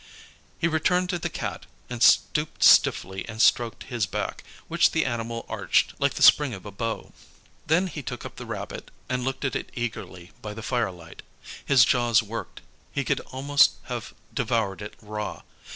He returned to the Cat, and stooped stiffly and stroked his back, which the animal arched like the spring of a bow. Then he took up the rabbit and looked at it eagerly by the firelight. His jaws worked. He could almost have devoured it raw.